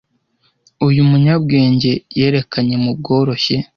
uyu munyabwenge yerekanye mubworoshye